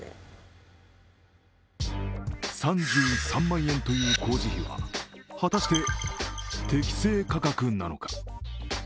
３３万円という工事費は果たして適正価格なのか。